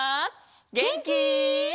げんき？